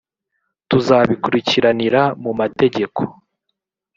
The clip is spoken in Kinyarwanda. tuzabikurikirana mu mategeko